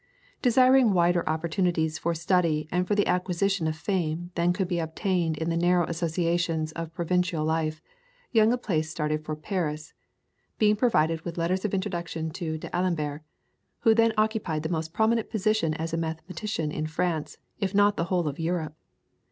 Desiring wider opportunities for study and for the acquisition of fame than could be obtained in the narrow associations of provincial life, young Laplace started for Paris, being provided with letters of introduction to D'Alembert, who then occupied the most prominent position as a mathematician in France, if not in the whole of Europe.